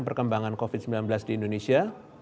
perkembangan covid sembilan belas di indonesia